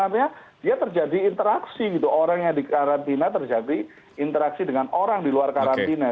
artinya dia terjadi interaksi gitu orang yang dikarantina terjadi interaksi dengan orang di luar karantina